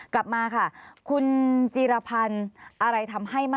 กลับมาค่ะคุณจีรพันธ์